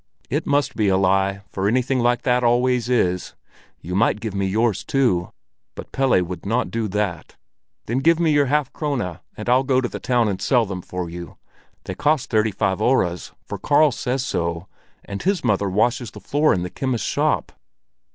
"It must be a lie, for anything like that always is. You might give me yours too!" But Pelle would not do that. "Then give me your half krone, and I'll go to the town and sell them for you. They cost thirty five öres, for Karl says so, and his mother washes the floor in the chemist's shop."